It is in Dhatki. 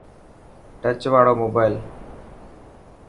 ٽچ واڙو موبائل.